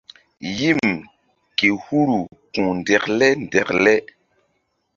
Yim ke huru ku̧h ndekle ndekle.